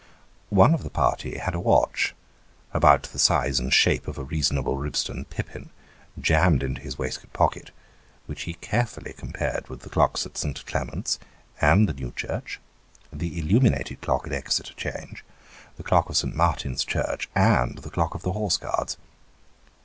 One of the party had a watch about the size and shape of a reasonable Ribstone pippin, jammed into his waistcoat pocket, which he carefully compared with the clocks at St. Clement's and the New Church, the illuminated clock at Exeter 'Change, the clock of St. Martin's Church, and the clock of the Horse Guards.